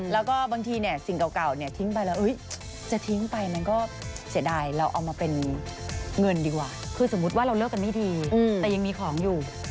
แล้วก็บางทีเนี่ยสิ่งเก่าเนี่ยทิ้งไปแล้วจะทิ้งไปมันก็เสียดายเราเอามาเป็นเงินดีกว่าคือสมมุติว่าเราเลิกกันไม่ดีแต่ยังมีของอยู่